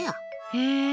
へえ。